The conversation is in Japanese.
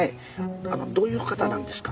あのどういう方なんですか？